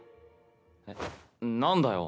え何だよ？